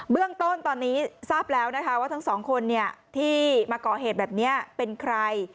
เรื่องต้นตอนนี้ทราบแล้วนะคะว่าทั้งสองคนที่มาก่อเหตุแบบนี้เป็นใคร